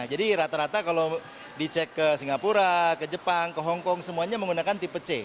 jadi rata rata kalau dicek ke singapura ke jepang ke hongkong semuanya menggunakan tipe c